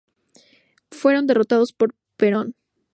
Fueron derrotados por Perón.